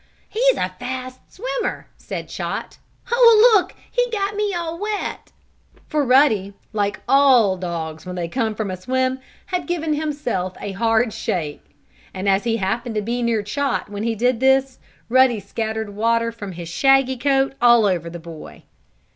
"He's a fast swimmer," said Chot. "Oh, look! He got me all wet!" For Ruddy, like all dogs when they come from a swim, had given himself a hard shake. And, as he happened to be near Chot when he did this, Ruddy scattered water from his shaggy coat all over the boy.